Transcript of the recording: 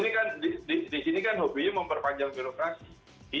di sini kan hobinya memperpanjang birokrasi